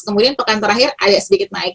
kemudian pekan terakhir agak sedikit naik